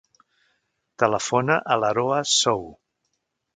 Telefona a l'Aroa Sow.